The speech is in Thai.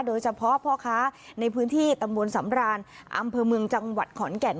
โดยเฉพาะพ่อค้าในพื้นที่ตำบลสำรานอำเภอเมืองจังหวัดขอนแก่น